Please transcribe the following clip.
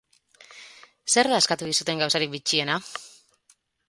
Zer da eskatu dizuten gauzarik bitxiena?